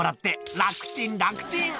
楽ちん、楽ちん。